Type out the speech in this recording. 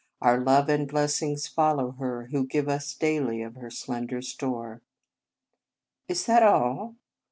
Our love and blessings follow her who gave us daily of her slender store. "Is that all?"